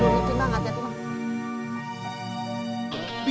karena mau kul bebek